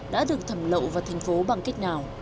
đã được thẩm lậu vào thành phố bằng cách nào